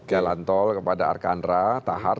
jalan tol kepada arkandra tahar